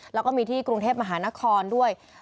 แล้วก็มีที่กรุงเทพมหานครด้วย